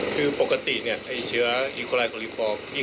เชื้อนี้มีส่วนผสมมาจากที่ไหนแล้วสามารถทำให้เกิดอะไรได้บ้างครับพี่